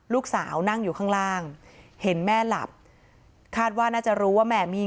ลูกสาวนั่งอยู่ข้างล่างเห็นแม่หลับคาดว่าน่าจะรู้ว่าแม่มี่